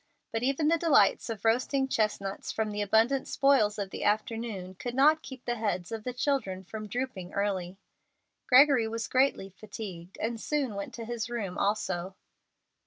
But even the delights of roasting chestnuts from the abundant spoils of the afternoon could not keep the heads of the children from drooping early. Gregory was greatly fatigued, and soon went to his room also.